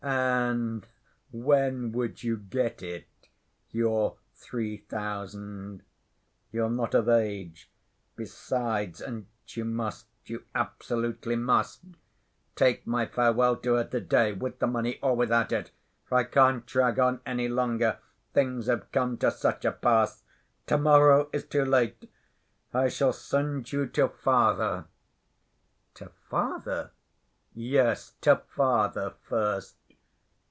"And when would you get it, your three thousand? You're not of age, besides, and you must—you absolutely must—take my farewell to her to‐day, with the money or without it, for I can't drag on any longer, things have come to such a pass. To‐morrow is too late. I shall send you to father." "To father?" "Yes, to father first.